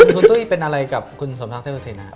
คุณตุ้ยเป็นอะไรกับคุณสมศักดิ์เทพสุทิน